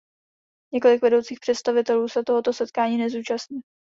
Několik vedoucích představitelů se tohoto setkání nezúčastní.